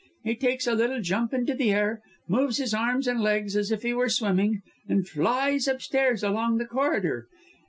He takes a little jump into the air, moves his arms and legs as if he were swimming, and flies upstairs and along the corridor.